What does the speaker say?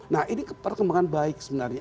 nah ini perkembangan baik sebenarnya